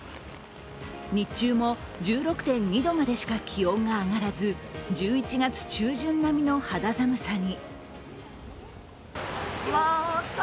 日中も１６．２度までしか気温が上がらず、１１月中旬並みの肌寒さに。